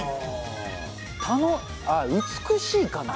美しいかな？